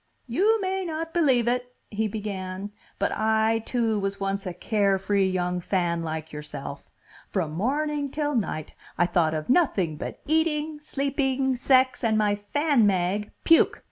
"You may not believe it (he began) but I, too, was once a carefree young fan like yourself. From morning til night I thot of nothing but eating, sleeping, sex, and my fan mag, PUKE.